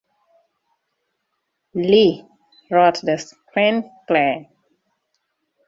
Lee wrote the screenplay.